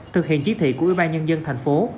thực hiện chỉ thị của ủy ban nhân dân thành phố